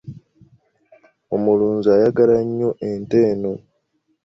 Omulunzi ayagala nnyo ente eno.